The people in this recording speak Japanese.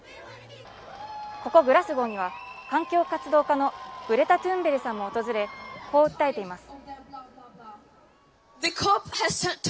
ここグラスゴーには環境活動家のグレタ・トゥーンベリさんも訪れこう訴えています。